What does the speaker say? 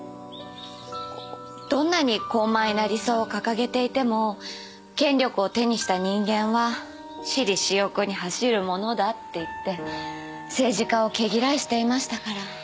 どんなに高邁な理想を掲げていても権力を手にした人間は私利私欲に走るものだって言って政治家を毛嫌いしていましたから。